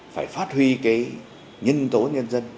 phải phát huy cái nhân tố nhân dân